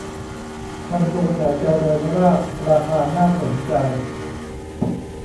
คอนโดแถวเจริญราษฎร์ราคาน่าสนใจ